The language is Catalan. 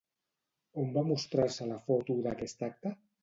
On va mostrar-se la foto d'aquest acte?